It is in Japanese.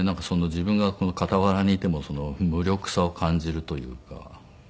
自分が傍らにいても無力さを感じるというか。